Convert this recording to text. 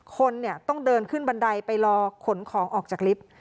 คนเนี่ยต้องเดินขึ้นบันไดไปรอขนของออกจากลิฟต์